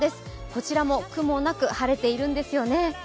こちらも雲なく晴れているんですよね。